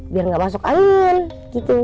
biar nggak masuk angin gitu